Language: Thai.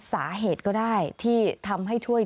สาเหตุก็ได้ที่ทำให้ช่วย